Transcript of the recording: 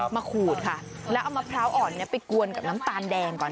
ขูดค่ะแล้วเอามะพร้าวอ่อนไปกวนกับน้ำตาลแดงก่อน